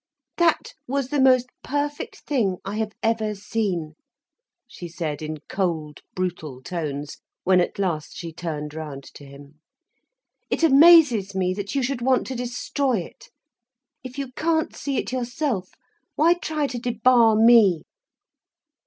"That was the most perfect thing I have ever seen," she said in cold, brutal tones, when at last she turned round to him. "It amazes me that you should want to destroy it. If you can't see it yourself, why try to debar me?"